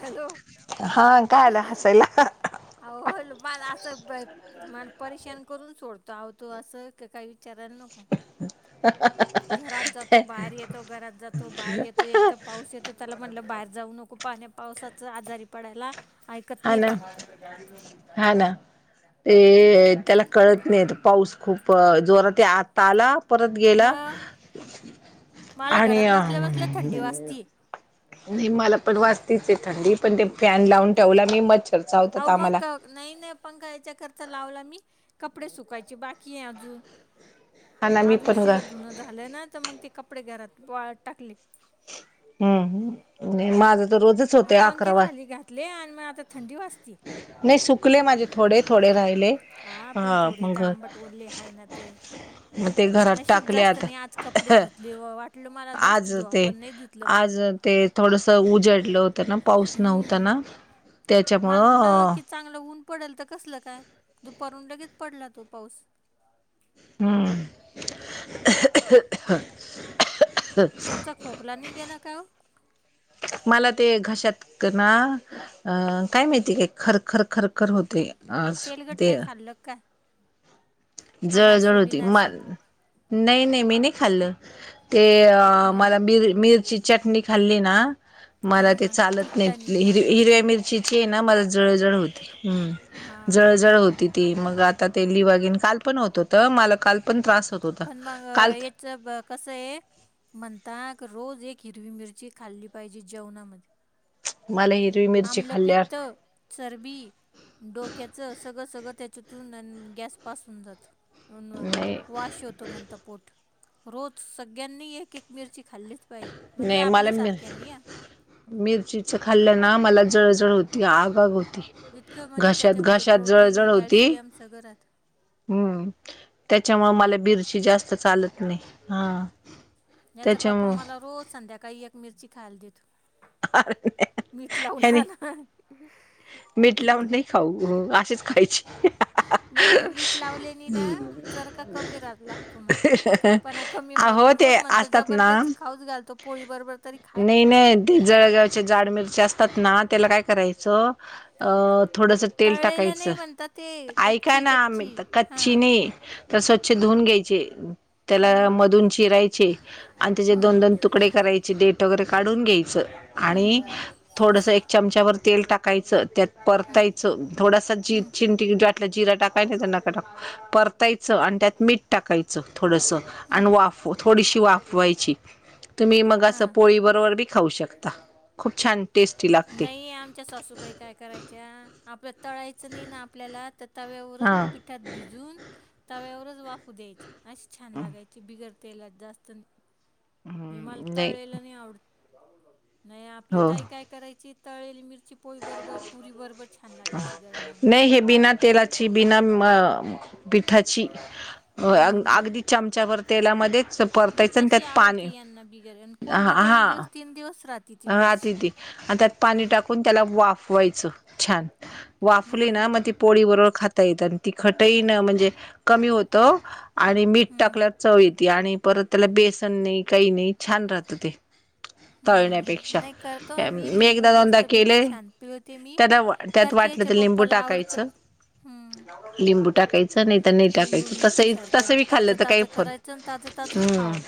Hello हा काय आलं हसायला. आओ माला असं ब मण परेशान करून सोडतो आवतो असं काही विचारायला नको. घरात जातो बाहेर येतो घरात जातो बाहेर येतो एक त पाऊस येतो त्येला म्हटलं बाहेर जाऊ नको पाण्या पावसाच आजारी पडायला ऐ आना हा ना. ए त्येला कळत नाही पाऊस खूप जोरातय आत ताला परत गेला मग मला आणि घरात बसल्या बसल्या थंडी वाजतीये न्हई मला पण वाजतीचय थंडी पण ते फॅन लावून ठेवला मी मच्छ आओ म क नई न पंखा याच्याकरचा लावला मी कपडे सुकायचे बाकीय अजून. हा ना मी आज पण ग उशिरा धुनं झालं ना त मग ते कपडे घरात‌ वाळत टाकलीत. हम् नई माझ तर रोजच. म होतय पंख्या अकरा खाली वाज घातले आणि म आता थंडी वाचती. नई सुकले माझे थोडे थोडे राहिले पण हा थोडे तर मग. आंबट ओलले आहे ना ते मग ते घरात नशीब टाकले जास्त आता नाही आज कपडे धुतले व वाटलं मला जास्त आज धुवा ते पण नाही धुतलं मग आज मी ते थोडस उजडलं होतं ना पाऊस नव्हता ना त्याच्या म्हनलं की चांगलं ऊन पडल त कसलं काय दुपारून लगेच पडला तो पाऊस. हम्म्म तुमचा खोकला निघे ना काय ओ. मला ते घशात कं ना अ काय माहिती [unintelligible] खरखर खरखर होते. अ ते लकाय जळजळ होती मा- बिनारशी नई नई मी नई खाल्ल ते हम्म मला मिर मिरची चटणी खाल्ली ना मला हां ते हां चालत नई तिकटानी हिर हां हिरव्या मिरचीचीय ना मला जळजळ होती हम्म. हां जळजळ होती ती मग आता लिवागेन काल पण होत होत मला काल पण त्रास होत होता काल. च ब कसं आहे म्हणता रोज एक हिरवी मिरची खाल्ली पाहिजे जेवणामध्ये मला हिरवी मिरची थांबलं पित्त. खाल्ल्यावर चरबी डोक्याचं सगळं सगळं त्याच्यातून गॅसपासून जातं. नाही [unintelligible] वाश होतो म्हणता पोट रोज सग्यांनी एक एक मिरची खाल्लीतशच. पहि म्हणजे नाही मला मि आपल्यासारख्यानी या मिरचीच खाल्ल्य ना मला जळजळ होती आग आग होती. वितकं म्हणजे घशात त्याच्यामध्ये घशात प्रोटीन जळजळ होती कॅल्शियम सगंळ राहत. हम्म त्याच्यामुळ मला बिरशी जास्त चालत नाही हा. याचा पप्पा त्याच्यामुळ मला रोज संध्याकाळी एक मिरची खायला देत. हा हा आणा. ह्यांनी. मीठ लावून नाय खाऊ अशेच खायचे. नाही मीठ लावलेने ना चरका कमी रा लागतो म्हण. तिखटपणा कमी अहो मरतो ते रोज म्हणतो असतात ना जबरदस्ती खाऊच घालतो पोळी बरोबर तरी खाय नाही नाही ते जळगावच्या जाड मिरच्या असतात ना त्याला काय करायचं अ थोडस तेल तळलेल्या टाकायचं नाही म्हणतात ते ऐका कच्ची ना आम्ही कच्ची तर कच्ची हां नाय त्यास स्वच्छ धुवून घ्यायचे त्याला हम्म मधून चिरायचे आणि त्याचे दोन हम्म दोन तुकडे करायचे देट वगैरे काढून घ्यायची हम्म आणि हम्म थोडस एक चमचावर तेल टाकायचं त्यात हम्म परतायचं स थोडासा ची हम्म चिंबटीभर जिर टाकायच नाही तर नका टाकू परतायचं आणि त्यात मीठ टाकायचं थोडंसं आण हम्म वाफव थोडीशी वाफवायची तुम्ही मग असं हां पोळीबरोबर बी खाऊ शकता खूप छान टेस्टी लागते नाही आमच्या सासूबाई काय करायच्या आपल्या तळायचं नाही ना आपल्याला तर तव्यावरच हा पिठात भिजून तव्यावरच वाफू द्यायचे असे छान लागायचे. ते बिगर तेलात जास्त नाही हे मला तळल्याल नाही आवडत. नाही आपली हो ताई काय करायची तळलेली मिरची पोळीबरोबर पुरी बरोबर छान लागायची गरम गरम नाही हे बीना तेलाची बिना म पिठाची हम्म हम्म. अगदी चमचाभर तेलामध्ये चप मग तशी आवडती यांना बिगर आणि कोरडी दोन दिवस तीन दिवस राहती आ आत इथी त्यात पाणी टाकून त्याला वाफवायचं छान वाफली ना हम्म. मग ती पोळी बरोबर खाता येत आणि तिखट ही ना म्हणजे कमी होतं आणि मीठ हम्म टाकल्यावर चव येते आणि परत त्याला बेसन नाही काही नाही छान राहत ते तळण्यात हम्म नाही करतो आम्ही लिंबू मस्तपैकी केले छान पिळते मी त्याला त्यात करते वाटलं याच्या तर लिंबू पप्पाला आवड त टाकायचं ह्म्म! लिंबू टाकाय च नाही तर नाही टाकायचं मिरची तसं सारखं तसं बी खाल्लं ताजं तर काही ताजं फो करायचं आणि ताजं ताजंच खावं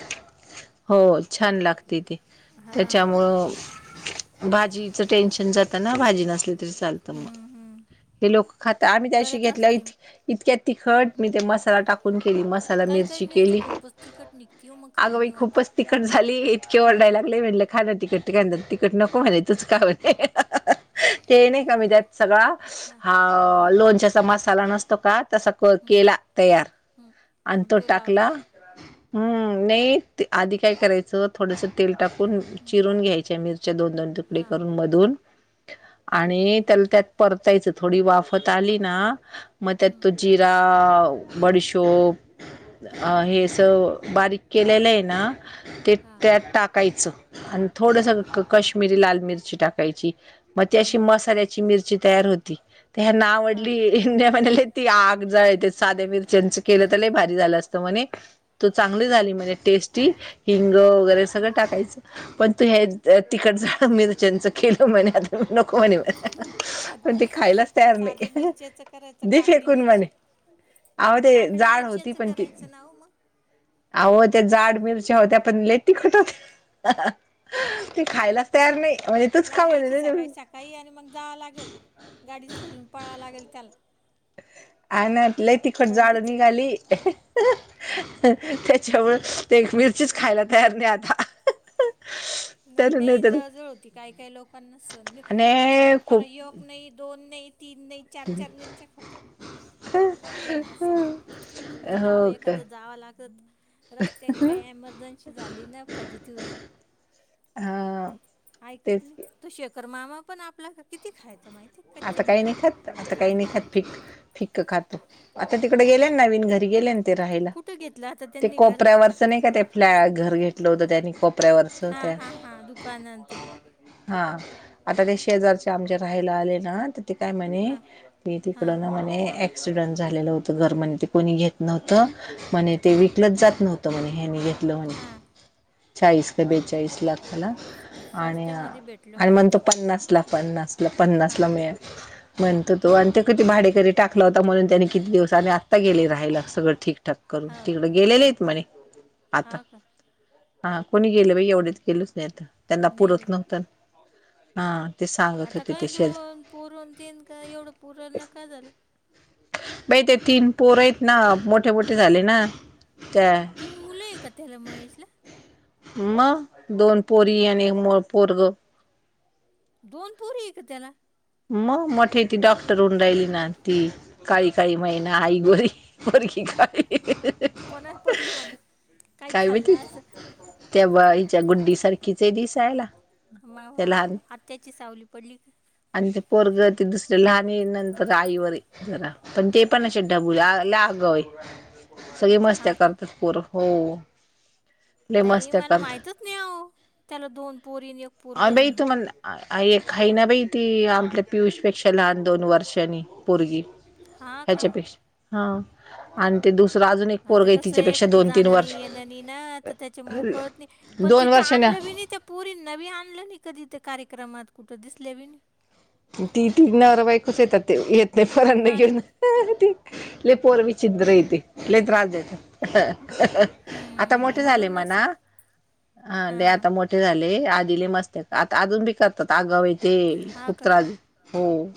हो छान लागते ते. हा. त्यामुळ भाजीच टेन्शन जाताना भाजी नसली चालत मग हम्म हम्म हे लोक खात आम्ही त्या दिवशी करत घेतल्या असते इथ मी इतक्या तिखट मी ते मसाला टाकून केली मसा ला काही काही मिरची केली खूपच तिखट निघती हो मग खाऊ अगं बाई नाही वाटत खूपच तिखट झाली इतके ओरडायला लागले म्हण्टलं तिखट काय तिखट नको म्हणले तूच खा म्हणते ते नाही का मी त्यात सगळा. हां अहो हां लोणच्याचा मसाला नसतो का तसा को हं, केला तयार. हं. आण आणि तो लावला टाकला हम्म नाही ते आधी काय करायचं थोडस तेल टाकून हं, चिरून घ्यायच्या मिरच्या दोन दोन तुकडे हां करून मधून आणि त्याला त्यात परतायचं थोडी वाफत आली ना म हं, त्यात जिरा बडशोप हं, अ हं, हे हं. स बारीक केलेलं आहे ना ते हां त्यात टाकायचं आणि थोडस हां का कश्मीरी लाल मिरची टाकायची मग ती अशी हं, मसाल्याची मिरची तयार होती ती ह्यांना हां का आवडली. म्हणाले ती आग झालते साध्या मिरच्याच केलं तर भारी झालं असतं म्हणे. तो चांगली हं, झाली म्हणजे टेस्टी हिंग वगैरे सगळं हं. टाकायचं. पण तु हे तिखट झाल मिरच्यांच केलं म्हणे आता नको म्हणे मला पण ते साध्या खायलाच तयार साध्या नाही मिरच्याचं करायचं दे काकडी फेकून म्हणे. मिरच्या अहो ते काकडी जाड होती मिरच्याचं पण ती. करायचं ना हो मग अह त्या जाड मिरच्या होत्या पण ले ती खट होत्या. ते खायलाच तयार नाही म्हणजे तूच खाऊ नाही. काही आणि मग जावं लागेल गाडी सुडून पळावं लागेल त्याला ह आना ल तिखोट जाडो थंडीचं निघाली त्याच्यावर ते एक मिरचीच खायला तयार नाही आता. नाही तर नाही तर जळजळ होती काही काही लोकांना स आणि याच्या पप्पाला खूप यो. एक नाही दोन नाही तीन नाही चार चार मिरच्या खात. हं जेवणाात सधा मण लाव का एखादं जावा लागत. रस्त्याने काही एमर्जन्सी झाली ना फज त वईल. हा ऐकत तेच नाही तू शेखर मामा पण आपला किती खायच माहिित आता काही नि खात आता काही नि खात पीक ते फिकक खातो आता तिकडे गेले नवीन घरी गेले ते राहायला कुठं घेतलं आता ते त्यांनी घर कोपऱ्यावर असं नाही का ते फ्लॅ घर घेतलं होतं त्यानी कोपऱ्यावरच हां त्या हां हां दुकान आणि ते हा आता ते शेजारचे आमच्या राहायला आले ना. ते काय म्हणे हां मी तिकड हां ना म्हणे. ॲक्सिडेंट झालेलं होतं घर म्ह ते कोणी घेत नव्हतं. म्हणे ते हां विकलच जात नव्हतं म्हणे हेनी घेतलं म्हणे. हां चाळीस का बेचाळीस लाख मला आणि स्वस्त्यामध्ये भेटलं आणि म्हणे मग तो ते पन्नास. ला पन्नासला हां पन्नासला मिळळे. म्हणतो तो आणि ते कधी भाडेकरी टाकला होता म्हणून त्यानी किती दिवसांनी आ आता गेले राहायला सगळं ठीकठाक करून हां तिकड का गेलेले आहेत म्हणे आता. हां का हा कोणी गेलं बा एवढेच गेलच नाही आता त्यांना नाही बाई पुरत नव्हत हा. ते सांगत होते तेसेेच. पुरून तीन का एवढं पुरल नका झालं. बाई ते तीन पोर आहेत ना मोठे मोठे झाले ना त्या तीन मुलं आहे काला मग याला. मग दोन पोरी आणि एक मो पोरगं. दोन प पुरी एक त्या ना. मग मोठे ती डॉक्टर उं रायली ना ती. काळी काळी महिना आई गोरी गरखी काळी कोणारार पडली म्हण काही खाल्लंस. तेव्हा हिच्या गुड्डी सारखीचे दिवस आयला. मग आत्याची सावली पडली का? आणि ते पोरग ते दुसर्या लहान नंतर आईवर जरा. पण ते पण ाबूल्या अगय सगळी मस्त्या हा का करतात पोर हो. लय नाही मस्त्या मला करतात माहितच नाही अह त्याला दोन पोरीन. अ ब तु म्हला. एक ह आहे ना बाई ती आपल्या पियुष पेक्षा लहान दोन वर्षांनी पोरगी. हा का ह्याच्यापेक्षा, हा - आता कस आहे तिच्यापेक्षा कुठं दोन तीन जाणं वर्ष नाही येण नाही ना तर त्याच्यामुळ कळत नाही. पण दोन तिथं वर्षाने आणलं बी नाही ते पुरी नवी आणलं नाही कधी ते कार्यक्रमात कुठं दिसले बी नाही. ती तीन नवरा बाईकच येतात ते येत नाही परण नाही हा घेऊन. ना ल पोर्विछिद्रती लले तजच आता हम्म, मोठे झाले म्हणून मणा नसेल हा ते हां आता मोठे झाले, आधीले मस्त आता अजून बी करतात आगाव येते. हा खूप- का त्रास हो,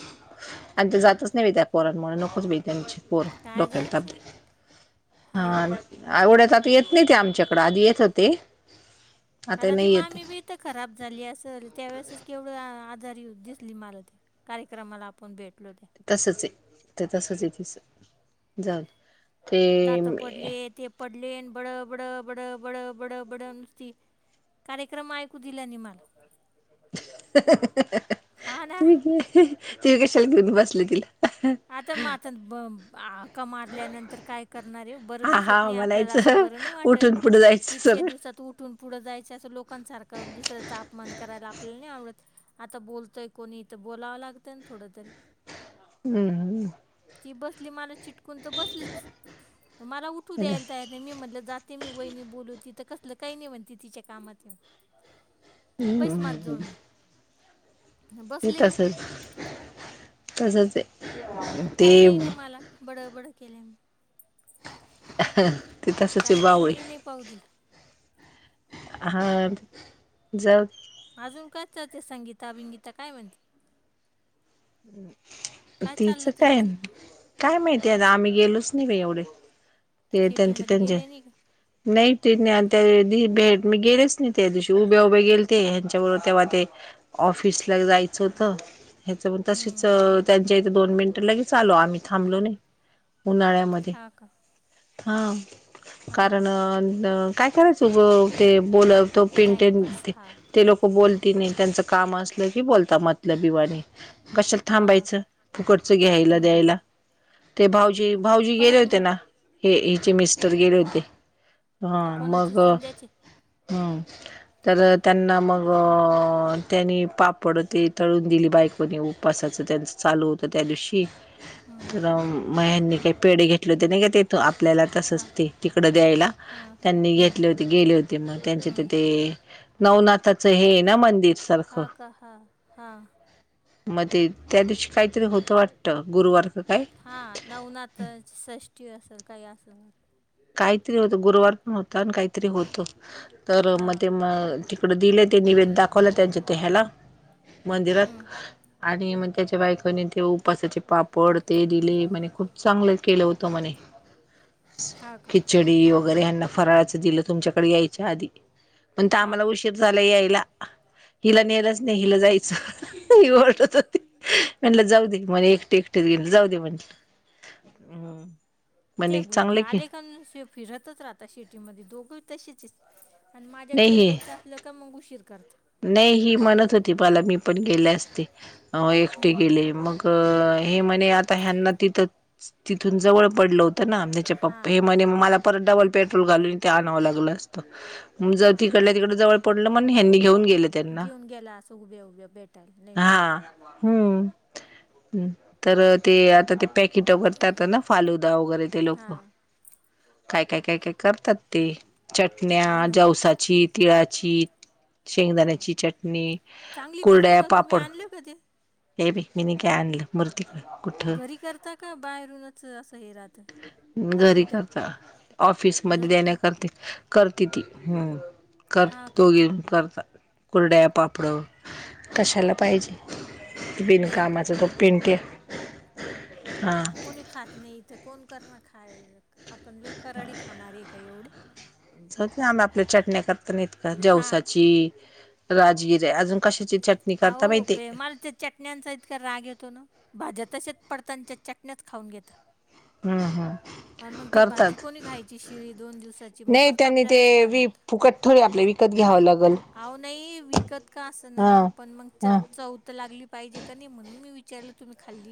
आणि ते जातच नाही बी त्या पोरांमूळ नकोच बाई त्यांची- होय. काय डोक्याला ताप जायचं तिकड. हां हा - एवढ्यात आता येत नाही ते आमच्याकडं आधी येत होती. आता ती मामी बी इथ खराब झाली असेल त्यावेेळेसच केवढं आजार दिसली मला ती. कार्यक्रमाला आपण भेटलो. तसंच ये, ते तसंच ये तिचं, जाऊदे. दात पडले, ते पडले, बड, बड, बड, बड, बड, बडं नुसती. कार्यक्रम ऐकू दिला नी मला. हा ना तु कशाला घेऊन बसली तिला. आता, मग आता, हाका मारल्यानंतर काय करणार आहे, बरं हा दिसत- हा नाही, आपल्याला असं म्हणायचं बरं नाही वाटत, उठून पुढे जायचं इतक्या सरळ दिवसात उठून- पुढं जायचं असं लोकांसारखं दुसऱ्याचा अपमान करायला आपल्याला नाही आवडत. आता बोलतोय- कोणी इथं बोलावं लागतं ना थोडं तरी. हम्म ती बसली मला चिटकून तर बसलीच, मला उठू द्यायला तयार - नाही मी म्हटलं जाते मी वहिणी बोलून, तिथ कसलं काही नाही म्हणते तिच्या कामात - बैस माझ्याजवळ. ते तसंच, तसंचये, उठता येईना ते- मला. बडबड केली. ती तसच ये बावळी. बी नाही पाहू दिला. हा, [unintelligible] अजून काय चालते, संगीता बिंगीता काय म्हणती. काय तेच चाललं काय. त्यांचं काय माहिती आता, आम्ही गेलोच नाही बाई एवढे, ते त्यांचे शेतीमध्ये त्यांचे- गेले नाही का नाही ते, मी भेट मी गेलेच नाही त्या दिवशी उभ्या उभ्या गेलते ह्यांच्याबरोबर तेव्हा ते- ऑफिसला एक जायचं होतं. हे- तसेच हम्म, त्यांच्या इथे, दोन मिनिट लगेच आलो, आम्ही थांबलो नाही. उन्हाळ्यामध्ये, हा का हा, हा का कारण काय? करायच मग ते बोलवतो पेंट टाईमपास हा [unintelligible] ते लोकं बोलती नाही, त्यांचं काम असलं की बोलता मतलबिवानी. कशाला हा थांबायचं का फुकटचं घ्यायला, द्यायला. हम्म. ते भाव- भाऊजी गेले परत होते मग ना, हे हिची मिस्टर. तर गेले होते. हा, कोणाची मग, संध्याची हम्. तर त्यांना मग, त्यांनी पापड ते तळून दिली बायकोनी. उपासाचं त्यांचं चालू होतं. त्या दिवशी हम्म, तर- म ह्यांनी काय पेढे घेतलेते नाही का ते येतो आपल्याला हा तसच ते तिकडं द्यायला. हा हा त्यांनी हम्म, घेतले होते, गेले होते, मग त्यांचे हम्म. तिथं नवनाथाचं हे ना मंदिर. सारखं हा का? हा, हा. मग ते त्या दिवशी काहीतरी होतं वाटतं. गुरुवारच काय- हा नवनाथाची सषष्टी असेल, काही असेल म- काहीतरी होत, गुरुवार पण होता, आणि काहीतरी होत. तर हा म ते म- परत इले ते निवेद दाखवलं त्यांच्या ते ह्याला- मंदिरात हम्म, आणि मग त्याच्या बायकणी तेव्हा उपासाचे पापड ते दिले म्हणे खूप चांगलं केलं होतं मणे हा का चडी वगैरे ह्यांना फराळाचं दिलं तुमच्याकडे यायच्या आधी, पण तर हा आम्हाला का उशीर - झाल यायला. हिला नेलच नाही, हिला जायचं- हे ओरडत होते. म्हणल जाऊ दे म्हणे एकटे एकटे गेल, जाऊ दे म्हणल. हम् ते गलेक फिरतच राहता शेटीमध्ये दोघं तसेचच आणि नाही माझ्याकडे हे यायचा आप ललं काय मंग उशीर करतात नाही ही म्हणत होती मला मी पण गेले असते एकटे हम्म. गेले मग अ हे म्हणे आता ह्यांना तिथ तिथून जवळ पडलं होतं ना. ् पप् हा हे म्हणे मला परत डबल पेट्रोल घालून ते आणावं लागलं असत. ग जर हा तिकडल्या तिकडडे जवळ पडलं मण ह्यांनी घेऊन गेले. त्यांना घेऊन गेला असं उभे उभे भेटायला नाही. हा हम्म तर ते आता ते पॅकेटो करतात ना फालुदा वगैरे ते लोक हा काय काय काय काय करतात ते चटण्या हा ना जावसाची तिळाची शेंगदाण्याची चटणी चांगली करते कुरड्या का तुम्ही पापड. आणलं का ते ये बाई म नी काय आणलं मुरकुटे तिकड घरी करता का बाहेरूनच असं हे राहात. घरी करता ऑफिसमध्ये घरी कर देण्याकरिता करते. ती कर हा का दोघी करतात कुर्ड्या पापडं. कशाला पाहिजे नाही बाई बेणुकामाचा जो पेंट आहे हा. कोणी खात नाही इथं कोण करण खाय आपण ल कराडी खाणार आहे का एवढे आ आपल्या चटण्या करता नाहीत का हा ज्यवसाची. राजगिर आहे अजून कशाची च हा बेमाल ते चटण्यांचा इतका राग येतो ना भाज्या तसेच पडताच्या चटण्याच खाऊ घेता. हा हां. आणि मग ते भाजी कोणी घ्यायची शिळी दोन दिवसाची मग परत आपल्यालाच ख्यायला लात थोडे आपले विकत घ्यावं लागेल. अह नाही विकत का असं ना पण मग च हा चौथ लागली पाहिजे. नाही म्हणून मी विचारल तुम् खाली